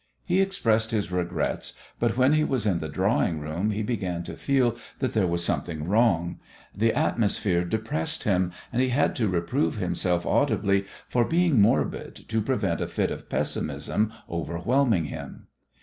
He expressed his regrets, but when he was in the drawing room he began to feel that there was something wrong. The atmosphere depressed him, and he had to reprove himself audibly for being morbid to prevent a fit of pessimism overwhelming him.